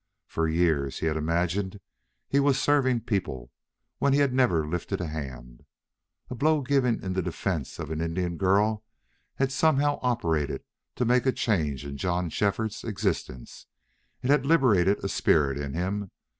For years he had imagined he was serving people, when he had never lifted a hand. A blow given in the defense of an Indian girl had somehow operated to make a change in John Shefford's existence. It had liberated a spirit in him.